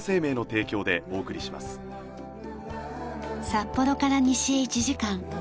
札幌から西へ１時間。